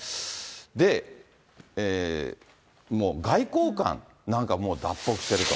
で、外交官なんかも脱北してると。